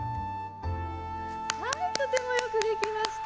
はいとてもよくできました！